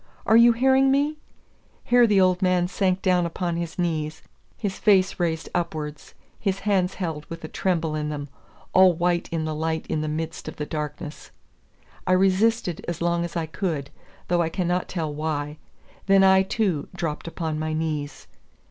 Are you hearing me?" Here the old man sank down upon his knees, his face raised upwards, his hands held up with a tremble in them, all white in the light in the midst of the darkness. I resisted as long as I could, though I cannot tell why; then I, too, dropped upon my knees.